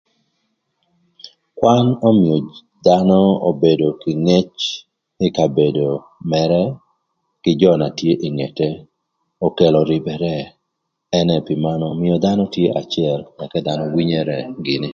Kwan ömïö dhanö obedo kï ngec ï kabedo mërë kï jö na tye ï ngete okelo rïbërë ënë pï manön ömïö dhanö tye ka cër dhanö winyere gïnï